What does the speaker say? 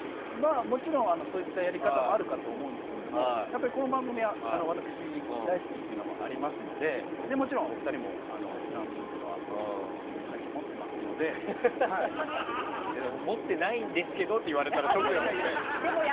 もちろんそういったやり方もあるかと思うんですけどこの番組は私大好きというのもありますのでもちろん、お二人も閲覧数というのは持ってないんですけどって言われたらショック。